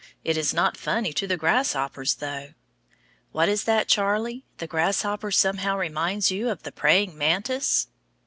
It is not funny to the grasshoppers, though. What is that, Charlie? The grasshopper somehow reminds you of the praying mantis?